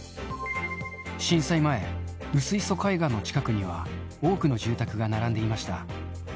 震災前、薄磯海岸の近くには多くの住宅が並んでいました。